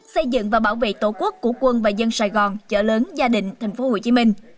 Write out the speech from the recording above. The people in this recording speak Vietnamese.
xây dựng và bảo vệ tổ quốc của quân và dân sài gòn chợ lớn gia định tp hcm